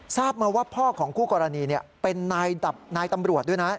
ทราบมาว่าพ่อของคู่กรณีเป็นนายตำรวจด้วยนะ